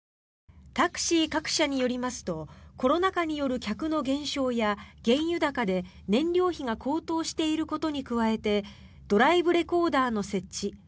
タクシー各社によりますとコロナ禍による客の減少や原油高で燃料費が高騰していることに加えてドライブレコーダーの設置